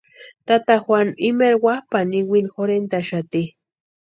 Tata Juanu imaeri wapʼani iwini jorhentʼaxati.